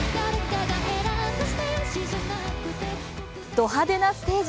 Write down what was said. ド派手なステージ